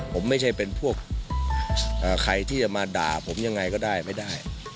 ผมไม่ใช่เป็นพวกใครที่จะมาด่าผมยังไงก็ได้ไม่ได้